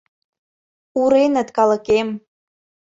Уреныт калыкем.